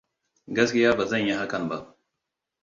Gaskiya ba zan yi hakan ba.